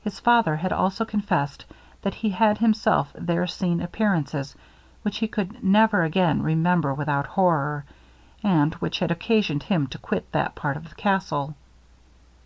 His father had also confessed, that he had himself there seen appearances which he could never after remember without horror, and which had occasioned him to quit that part of the castle.